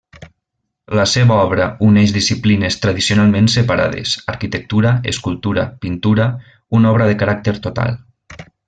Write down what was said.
La seva obra uneix disciplines tradicionalment separades: arquitectura, escultura, pintura; una obra de caràcter total.